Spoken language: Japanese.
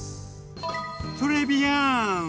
トレビアーン！